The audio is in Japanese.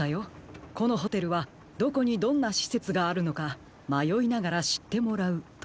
このホテルはどこにどんなしせつがあるのかまよいながらしってもらうと。